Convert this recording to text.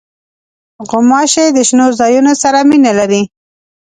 غوماشې د شنو ځایونو سره مینه لري.